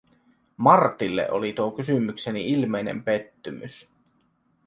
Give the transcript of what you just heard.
Martille oli tuo kysymykseni ilmeinen pettymys.